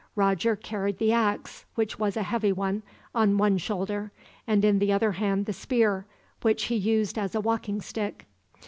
Roger carried the ax, which was a heavy one, on one shoulder; and in the other hand the spear, which he used as a walking stick.